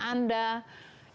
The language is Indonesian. apa yang membuat anda